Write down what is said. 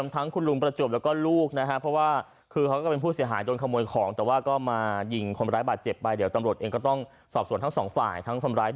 มันวิ่งเข้ามาจะทำร้ายลุงไหมวิ่งเข้ามาลุงขอหยุด